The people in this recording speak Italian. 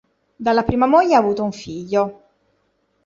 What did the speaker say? Dalla prima moglie ha avuto un figlio.